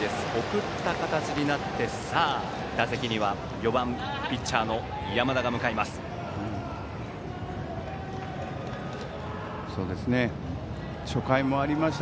送った形になって、打席には４番、ピッチャーの山田が向かいます。